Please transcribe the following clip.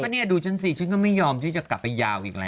นี่ดูฉันสิฉันก็ไม่ยอมที่จะกลับไปยาวอีกแล้ว